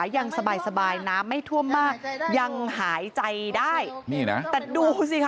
ยังไม่ทรวมมากยังหายใจได้อยู่